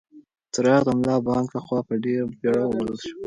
څراغ د ملا بانګ لخوا په ډېرې بېړه بل شو.